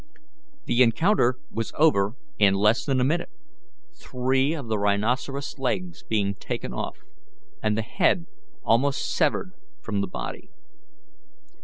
The encounter was over in less than a minute, three of the rhinoceros's legs being taken off, and the head almost severed from the body.